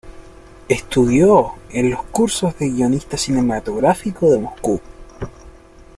Estudió en los cursos de guionista cinematográfico de Moscú.